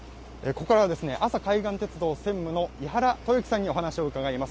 ここからはですね、阿佐海岸鉄道専務の井原豊喜さんにお話を伺います。